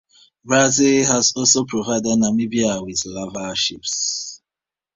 Brazil has also provided Namibia with Naval ships.